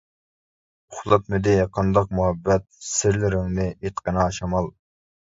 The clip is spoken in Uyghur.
ئۇخلاتمىدى قانداق مۇھەببەت؟ سىرلىرىڭنى ئېيتقىنا شامال.